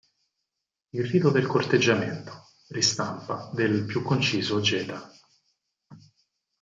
Il rito del corteggiamento", ristampa del più conciso "Geta".